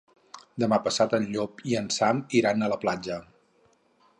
Demà passat en Llop i en Sam iran a la platja.